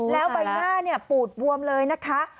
แล้วใบหน้าปูดบวมเลยนะคะ